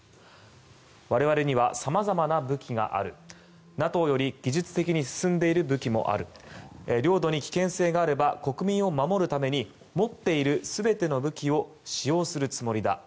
我々には様々な武器があるＮＡＴＯより技術的に進んでいる武器もある領土に危険性があれば国民を守るために持っている全ての武器を使用するつもりだ